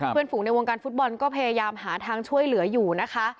ฝูงในวงการฟุตบอลก็พยายามหาทางช่วยเหลืออยู่นะคะ